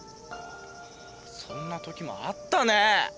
そんなときもあったねぇ。